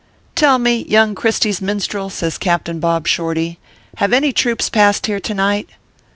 "Tell me, young Christy s minstrel," says Cap tain Bob Shorty, "have any troops passed here to night